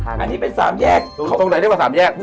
อันนี้เป็นสามแยกตรงไหนได้มาสามแยก